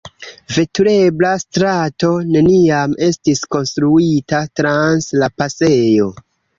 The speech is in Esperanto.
Veturebla strato neniam estis konstruita trans la pasejo.